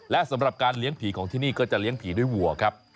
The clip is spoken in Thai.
และสำหรับการเลี้ยงผีของที่นี่ก็จะเลี้ยงผีด้วยวัวครับ